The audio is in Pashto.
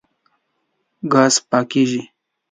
ګاز پاکېږي.